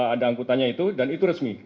ada angkutannya itu dan itu resmi